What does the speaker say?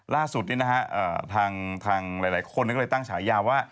ล่าสุดทางหลายคนก็เลยตั้งฉายาว่า